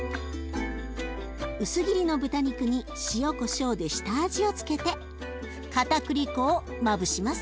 薄切りの豚肉に塩こしょうで下味をつけてかたくり粉をまぶします。